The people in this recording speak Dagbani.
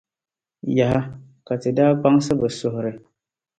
Yaha! Ka ti daa kpaŋsi bɛ suhiri.